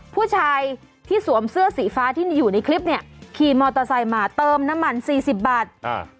ผู้ชายที่สวมเสื้อสีฟ้าที่อยู่ในคลิปเนี่ยขี่มอเตอร์ไซค์มาเติมน้ำมันสี่สิบบาทอ่า